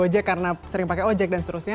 ojek karena sering pakai ojek dan seterusnya